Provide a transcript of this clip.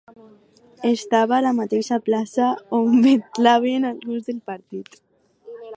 Estava a la mateixa plaça on vetlaven alguns del partit.